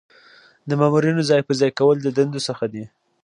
د مامورینو ځای پر ځای کول د دندو څخه دي.